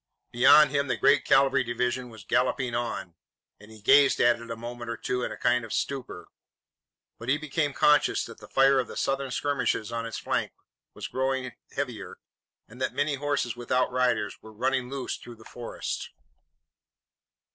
Beyond him the great cavalry division was galloping on, and he gazed at it a moment or two in a kind of stupor. But he became conscious that the fire of the Southern skirmishers on its flank was growing heavier and that many horses without riders were running loose through the forest.